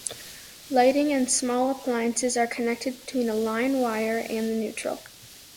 Lighting and small appliances are connected between a line wire and the neutral.